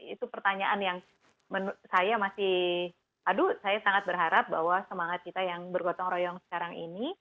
itu pertanyaan yang menurut saya masih aduh saya sangat berharap bahwa semangat kita yang bergotong royong sekarang ini